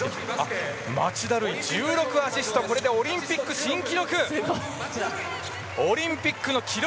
町田瑠唯、１６アシストこれでオリンピック新記録！